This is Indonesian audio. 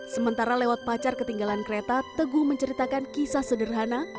sementara lewat pacar ketinggalan kereta teguh menceritakan kisah sederhana